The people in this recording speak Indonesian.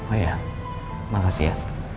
oh ya makasih ya